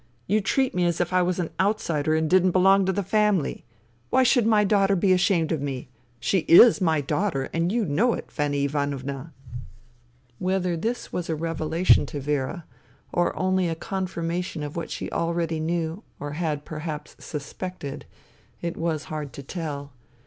You treat me as if I was an outsider and didn't belong to the family. Why should my daughter be ashamed of me ? She is my daughter, and you know it, Fanny Ivanovna." Whether this was a revelation to Vera, or only a confirmation of what she already knew or had perhaps suspected, it was hard to tell.